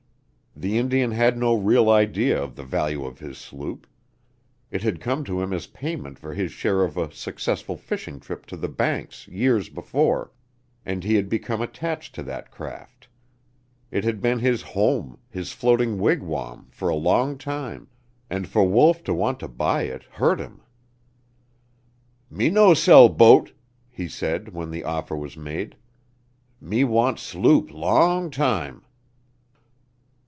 The Indian had no real idea of the value of his sloop. It had come to him as payment for his share of a successful fishing trip to The Banks years before, and he had become attached to that craft. It had been his home, his floating wigwam, for a long time, and for Wolf to want to buy it hurt him. "Me no sell boat," he said, when the offer was made. "Me want sloop long time."